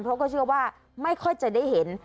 เพราะก็เชื่อว่าไม่ค่อยจะได้เห็น